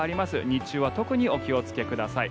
日中は特にお気をつけください。